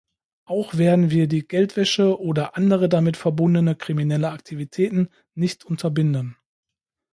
Auch werden wir die Geldwäsche oder andere damit verbundene kriminelle Aktivitäten nicht unterbinden.